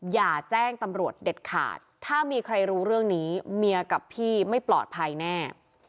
อย่าแจ้งตำรวจเด็ดขาดถ้ามีใครรู้เรื่องนี้เมียกับพี่ไม่ปลอดภัยแน่